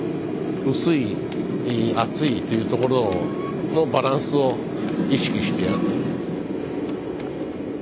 薄い厚いというところのバランスを意識してやる。